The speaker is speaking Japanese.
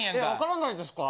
分からないですか。